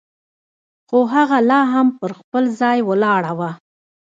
خو هغه لا هم پر خپل ځای ولاړه وه.